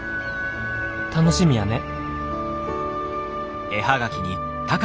楽しみやね」。